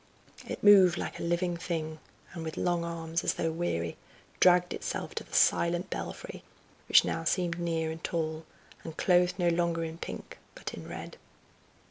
It moved like a living thing, and with long arms, as though weary, dragged itself to the silent belfry, which now seemed near and tall, and clothed no longer in pink but in red.